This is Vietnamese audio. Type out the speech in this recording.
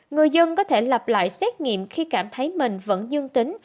người dân có thể lặp lại xét nghiệm khi cảm thấy mình vẫn dương tính